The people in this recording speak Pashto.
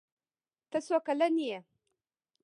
ته څو کلن یې؟